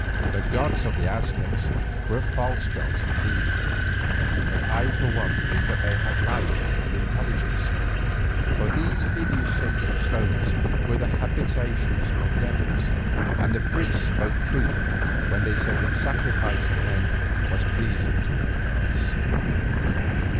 The gods of the Aztecs were false gods indeed, but I for one believe that they had life and intelligence, for those hideous shapes of stone were the habitations of devils, and the priests spoke truth when they said that the sacrifice of men was pleasing to their gods.